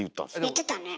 言ってたね。